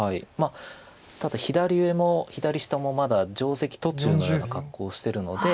ただ左上も左下もまだ定石途中のような格好をしてるので。